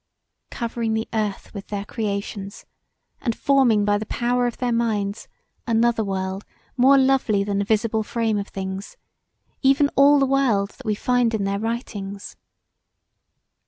Covering the earth with their creations and forming by the power of their minds another world more lovely than the visible frame of things, even all the world that we find in their writings.